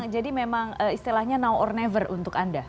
jadi memang istilahnya now or never untuk anda